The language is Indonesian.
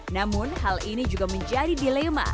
namun hal ini juga menjadi dilema